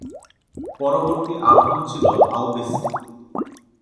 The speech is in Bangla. পরবর্তী আরোহণ ছিল আউবিস্ক।